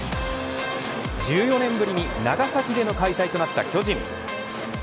１４年ぶりに長崎での開催となった巨人。